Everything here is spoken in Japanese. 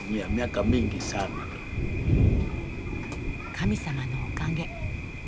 神様のおかげ。